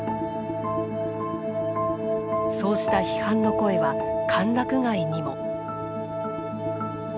そうした批判の声は歓楽街にも。